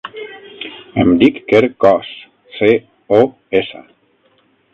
Em dic Quer Cos: ce, o, essa.